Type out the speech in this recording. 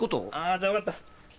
じゃあ分かった。